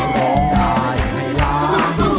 ร้องได้ให้ล้าน